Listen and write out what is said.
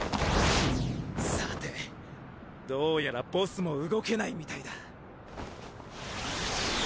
さてどうやらボスも動けないみたいだ。